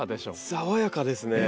爽やかですね。